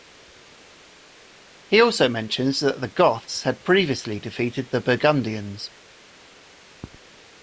He also mentions that the Goths had previously defeated the Burgundians.